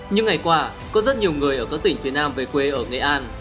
những ngày qua có rất nhiều người ở các tỉnh phía nam về quê ở nghệ an